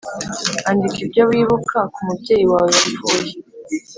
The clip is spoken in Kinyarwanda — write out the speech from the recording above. Andika ibyo wibuka ku mubyeyi wawe wapfuye